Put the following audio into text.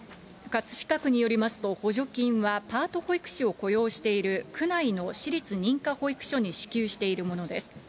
葛飾区によりますと、補助金は、パート保育士を雇用している、区内の私立認可保育所に支給しているものです。